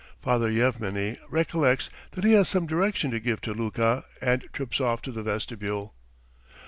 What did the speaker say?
Father Yevmeny recollects that he has some direction to give to Luka, and trips off to the vestibule.